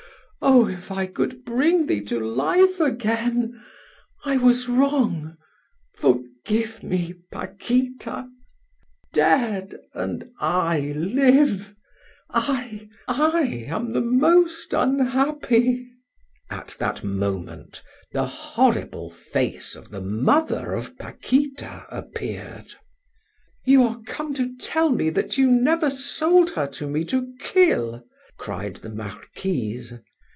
Oh, if I could bring thee to life again! I was wrong forgive me, Paquita! Dead! and I live! I I am the most unhappy." At that moment the horrible face of the mother of Paquita appeared. "You are come to tell me that you never sold her to me to kill," cried the Marquise.